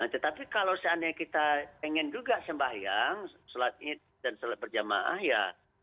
tetapi kalau seandainya kita ingin juga sembahyang sholat id dan sholat berjamaah ya